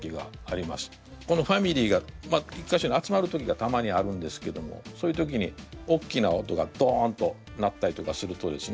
このファミリーが１か所に集まる時がたまにあるんですけどもそういう時におっきな音がドンと鳴ったりとかするとですね